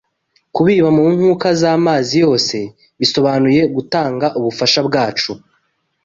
Kubiba mu nkuka z’amazi yose bisobanuye gutanga ubufasha bwacu